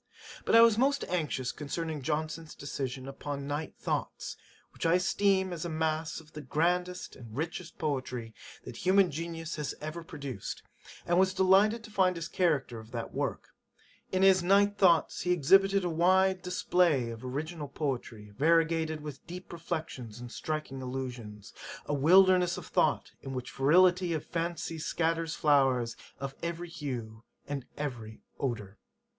"' But I was most anxious concerning Johnson's decision upon Night Thoughts, which I esteem as a mass of the grandest and richest poetry that human genius has ever produced; and was delighted to find this character of that work: 'In his Night Thoughts, he has exhibited a very wide display of original poetry, variegated with deep reflections and striking allusions; a wilderness of thought, in which the fertility of fancy scatters flowers of every hue and of every odour.